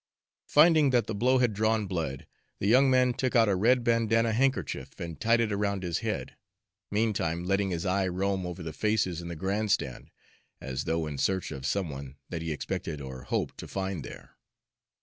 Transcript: Finding that the blow had drawn blood, the young man took out a red bandana handkerchief and tied it around his head, meantime letting his eye roam over the faces in the grand stand, as though in search of some one that he expected or hoped to find there.